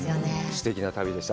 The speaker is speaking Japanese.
すてきな旅でした。